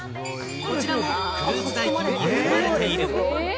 こちらもクルーズ代金に含まれている。